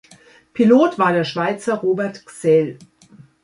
Pilot war der Schweizer Robert Gsell.